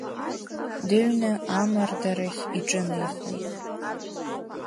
Дыҩны амардарахь иҿынеихоит.